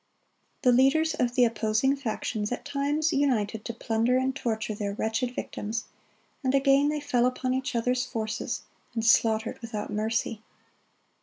The leaders of the opposing factions at times united to plunder and torture their wretched victims, and again they fell upon each other's forces, and slaughtered without mercy.